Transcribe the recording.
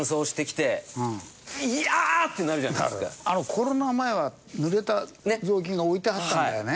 コロナ前はぬれた雑巾が置いてあったんだよね。